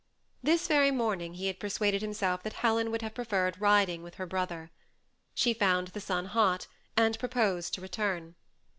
35 This very morning he had persuaded himself that Helen would have preferred riding with her brother. She found the sun hot, and proposed to return.